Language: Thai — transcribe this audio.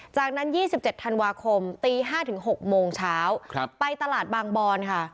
จากนั้น๒๗ธันวาคมตี๕ถึง๖โมงเช้าไปตลาดบางบอนค่ะ